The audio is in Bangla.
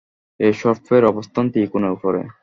ঐ সর্পের অবস্থান ত্রিকোণের উপরে।